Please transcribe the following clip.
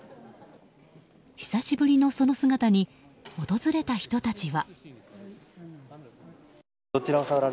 久しぶりのその姿に訪れた人たちは。